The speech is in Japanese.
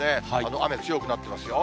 雨強くなってますよ。